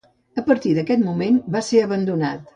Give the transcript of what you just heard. A partir d'aquest moment va ser abandonat.